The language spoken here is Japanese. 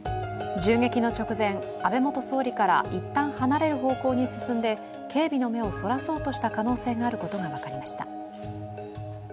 銃撃の直前、安倍元総理から一旦離れる方向に進んで警備の目をそらそうとした可能性のあることが分かりました。